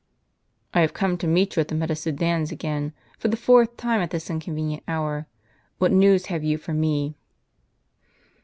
"I have come to meet you at the Meta Sudans again, for the fourth time, at this inconvenient hour. What news have you for me?